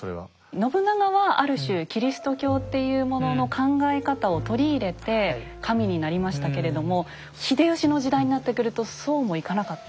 信長はある種キリスト教っていうものの考え方を取り入れて神になりましたけれども秀吉の時代になってくるとそうもいかなかった。